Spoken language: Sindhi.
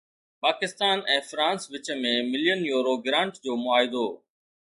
پاڪستان ۽ فرانس وچ ۾ ملين يورو گرانٽ جو معاهدو